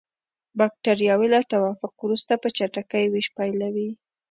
بکټریاوې له توافق وروسته په چټکۍ ویش پیلوي.